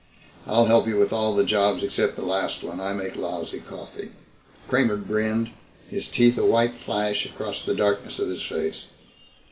I'll help you with all the jobs except the last one. I make lousy coffee." Kramer grinned, his teeth a white flash across the darkness of his face.